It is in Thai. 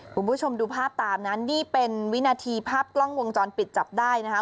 คุณผู้ชมดูภาพตามนั้นนี่เป็นวินาทีภาพกล้องวงจรปิดจับได้นะคะ